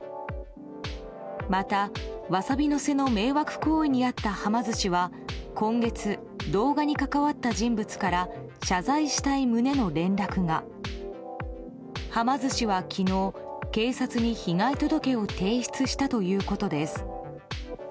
また、わさび乗せの迷惑行為に遭ったはま寿司は今月、動画に関わった人物から謝罪したい旨の連絡が。はま寿司は昨日、警察に被害届を提出したということです。